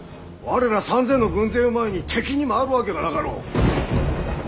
我ら３，０００の軍勢を前に敵に回るわけがなかろう。